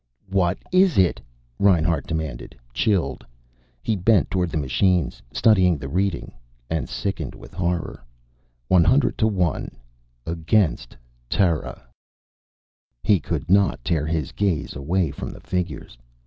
"What is it?" Reinhart demanded, chilled. He bent toward the machines, studying the reading. And sickened with horror. 100 1. Against Terra! He could not tear his gaze away from the figures.